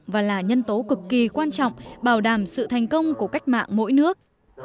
và là nhân tố cực kỳ quan trọng bảo đảm sự thành công của cách mạng mỗi nước